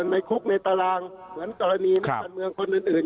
ในคุกในตารางเหมือนก่อนอันนี้มีสัญญาณเมืองคนอื่น